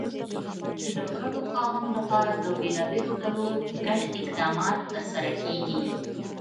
د ګډو کارونو لپاره د بېلابېلو ډلو ګډ اقدامات ترسره کېږي.